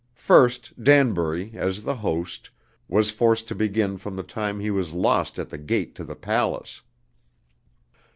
First Danbury, as the host, was forced to begin from the time he was lost at the gate to the palace.